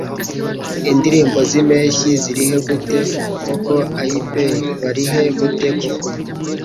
Indirimbo Zimpeshyi zirihe gute koko Ay pe barihe gute koko